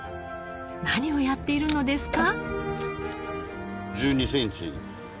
何をやっているのですか？